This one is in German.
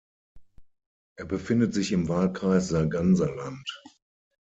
Er befindet sich im Wahlkreis Sarganserland.